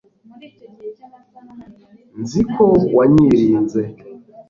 nzi ko wanyirinze